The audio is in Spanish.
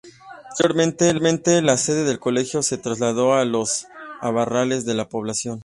Posteriormente, la sede del Colegio se trasladó a los arrabales de la población.